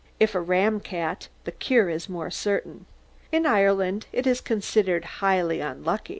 If a ram cat, the cure is more certain. In Ireland it is considered highly unlucky.'"